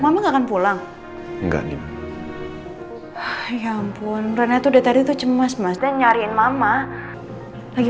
kamu nggak akan pulang enggak nih ya ampun renet udah tadi tuh cemas mas dan nyariin mama lagi